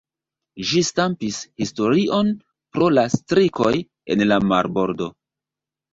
Ĝi stampis historion pro la strikoj en la Marbordo.